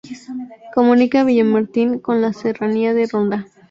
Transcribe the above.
Comunica Villamartín con la Serranía de Ronda.